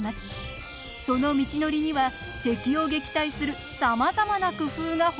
その道のりには敵を撃退するさまざまな工夫が施されています。